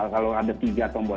kalau ada tiga tombol